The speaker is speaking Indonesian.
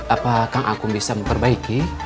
apa kang akung bisa memperbaiki